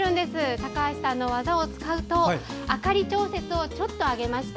高橋さんの技を使うと明かり調節をちょっと上げました。